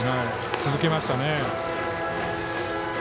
続けましたね。